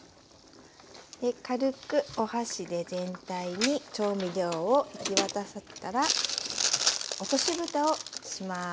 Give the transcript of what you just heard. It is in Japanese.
軽くお箸で全体に調味料を行き渡らせたら落としぶたをします。